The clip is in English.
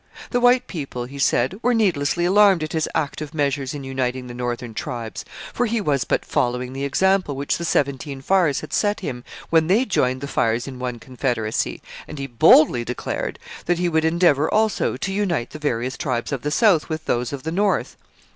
The white people, he said, were needlessly alarmed at his active measures in uniting the northern tribes; for he was but following the example which the Seventeen Fires had set him when they joined the Fires in one confederacy, and he boldly declared that he would endeavour also to unite the various tribes of the south with those of the north.